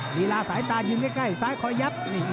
ลีลาสายตายืนใกล้ซ้ายคอยยับ